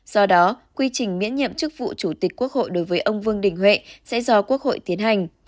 do đó quy trình miễn nhiệm chức vụ chủ tịch quốc hội đối với ông vương đình huệ sẽ do quốc hội tiến hành